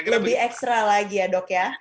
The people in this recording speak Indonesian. lebih ekstra lagi ya dok ya